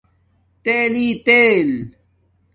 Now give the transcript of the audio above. تلئئ تیل